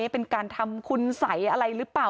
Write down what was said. เป็นการทำคุณสัยอะไรหรือเปล่า